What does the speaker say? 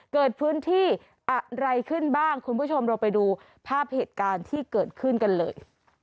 เกิดขึ้นอะไรขึ้นบ้างคุณผู้ชมเราไปดูภาพเหตุการณ์ที่เกิดขึ้นกันเลย